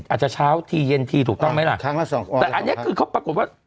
อาจจะเช้าที่เย็นที่ถูกต้องไหมล่ะแต่อันนี้คือเขาปรากฏว่า